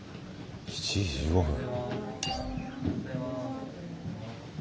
７時１５分。